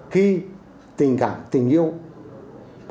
khi tình cảm tình yêu có